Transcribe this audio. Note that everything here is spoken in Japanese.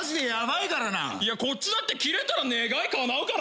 いやこっちだってキレたら願いかなうからな。